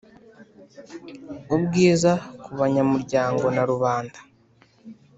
ubwiza ku banyamuryango na rubanda